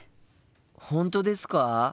本当ですか？